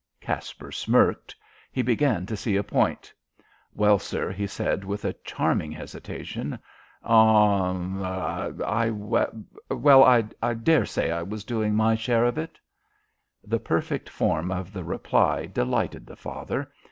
Caspar smirked. He began to see a point. "Well, sir," he said with a charming hesitation. "Aw er I well, I dare say I was doing my share of it." The perfect form of the reply delighted the father.